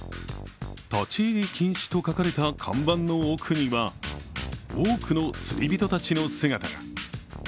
立入禁止と書かれた看板の奥には、多くの釣り人たちの姿が。